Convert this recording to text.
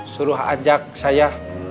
suruh ajak saya